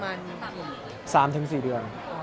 ประมาณ๓๔เดือน